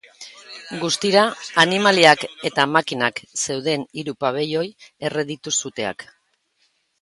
Guztira, animaliak eta makinak zeuden hiru pabiloi erre ditu suteak.